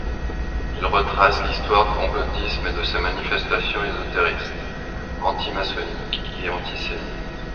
Ils retracent l'histoire du complotisme et de ses manifestations ésotéristes, antimaçonniques et antisémites.